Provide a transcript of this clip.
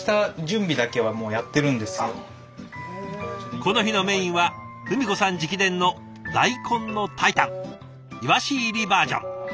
この日のメインは文子さん直伝の大根の炊いたんイワシ入りバージョン。